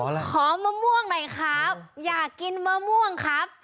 สวัสดีครับ